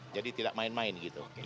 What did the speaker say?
jadi tidak main main gitu